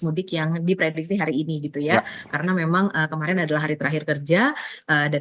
mudik yang diprediksi hari ini gitu ya karena memang kemarin adalah hari terakhir kerja dan